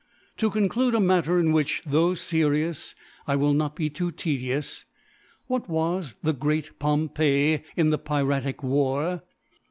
To conclude a Matter, in which tho* fcrious, I will ilot be too tedious : What was the great Pompey in the Piratic War •